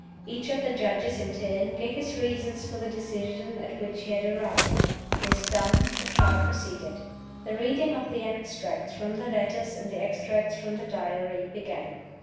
Each of the Judges, in turn, gave his reasons for the decision at which he had arrived. This done, the Trial proceeded. The reading of the extracts from the letters and the extracts from the Diary began.